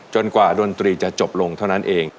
กว่าดนตรีจะจบลงเท่านั้นเอง